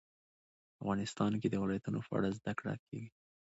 افغانستان کې د ولایتونو په اړه زده کړه کېږي.